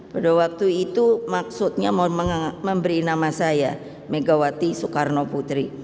pada waktu itu maksudnya memberi nama saya megawati soekarno putri